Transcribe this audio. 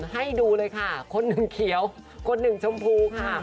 ให้ดูเลยค่ะคนหนึ่งเขียวคนหนึ่งชมพูค่ะ